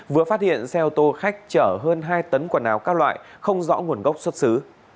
vừa phát hiện xe ô tô khách chở hơn hai tấn quần áo các loại không rõ nguồn gốc xuất xứ